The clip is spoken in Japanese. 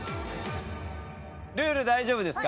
ルール大丈夫ですか？